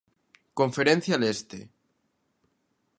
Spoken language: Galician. Conferencia Leste.